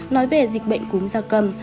nói về dịch bệnh cúm da cầm